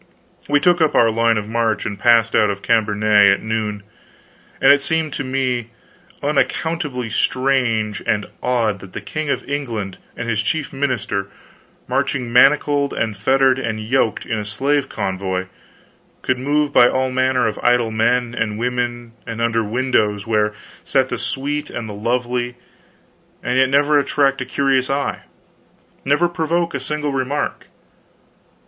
We took up our line of march and passed out of Cambenet at noon; and it seemed to me unaccountably strange and odd that the King of England and his chief minister, marching manacled and fettered and yoked, in a slave convoy, could move by all manner of idle men and women, and under windows where sat the sweet and the lovely, and yet never attract a curious eye, never provoke a single remark.